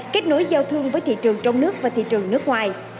kết nối giao thương với thị trường trong nước và thị trường nước ngoài